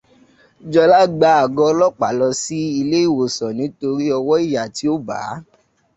Jọlá gba àgọ́ ọlọ́pàá lọ sílé ìwòsàn nítorí ọwọ́ ìyà tí ó bà á.